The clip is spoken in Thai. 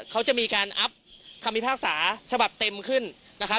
เขาจะมีการอัพคำพิพากษาฉบับเต็มขึ้นนะครับ